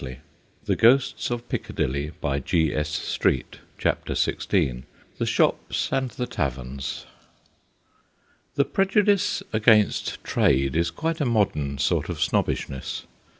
254 THE GHOSTS OF PICCADILLY CHAPTER XYI THE SHOPS AND THE TAVERNS THE prejudice against trade is quite a modern sort of snobbishness.